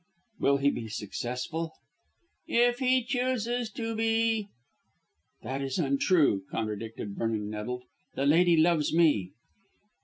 "Will he be successful?" "If he chooses to be." "That is untrue," contradicted Vernon nettled; "The lady loves me."